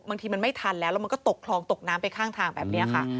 บางทีมันไม่ทันแล้วแล้วมันก็ตกคลองตกน้ำไปข้างทางแบบนี้ค่ะ